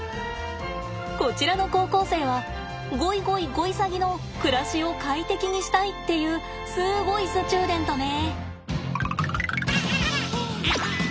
こちらの高校生はゴイゴイゴイサギの暮らしを快適にしたいっていうすごいスチューデントね。